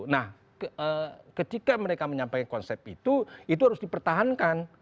nah ketika mereka menyampaikan konsep itu itu harus dipertahankan